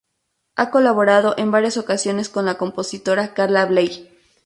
Ha colaborado en varias ocasiones con la compositora Carla Bley.